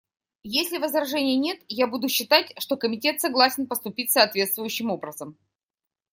Если возражений нет, я буду считать, что Комитет согласен поступить соответствующим образом.